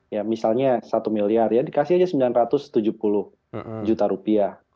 ya misalnya satu miliar ya dikasih aja sembilan ratus tujuh puluh juta rupiah